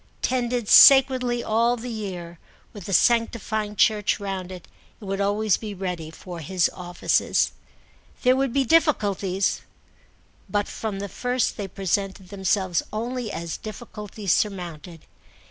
Tended sacredly all the year, with the sanctifying church round it, it would always be ready for his offices. There would be difficulties, but from the first they presented themselves only as difficulties surmounted.